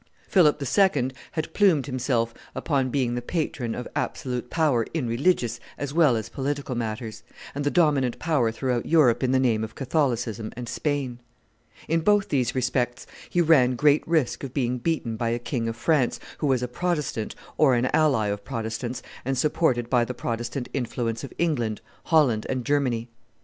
Philip II. had plumed himself upon being the patron of absolute power in religious as well as political matters, and the dominant power throughout Europe in the name of Catholicism and Spain. In both these respects he ran great risk of being beaten by a King of France who was a Protestant or an ally of Protestants and supported by the Protestant influence of England, Holland, and Germany.